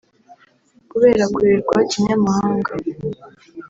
Kubera kurerwa kinyamahanga